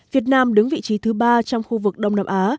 việt nam đứng vị trí thứ ba trong khu vực đông nam á